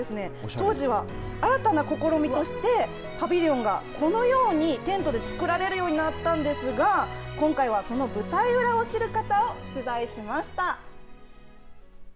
当時は、新たな試みとしてパビリオンがこのようにテントで作られるようになったんですが今回はその舞台裏を知る方を取材しました。